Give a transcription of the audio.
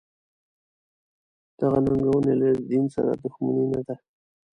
دغه ننګونې له دین سره دښمني نه ده.